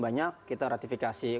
banyak kita ratifikasi